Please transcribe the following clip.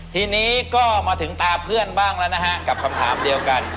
ทีนี้ก็มาถึงตาเพื่อนบ้างแล้วนะฮะกับคำถามเดียวกัน